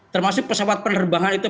termasuk pesawat penerbangan itu